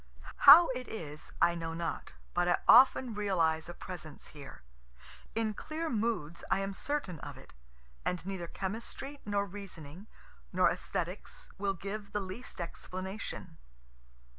How it is I know not, but I often realize a presence here in clear moods I am certain of it, and neither chemistry nor reasoning nor esthetics will give the least explanation.